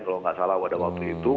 kalau nggak salah pada waktu itu